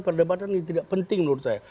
perdebatan ini tidak penting menurut saya